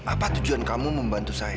apa tujuan kamu membantu saya